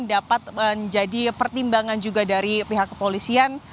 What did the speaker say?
dapat menjadi pertimbangan juga dari pihak kepolisian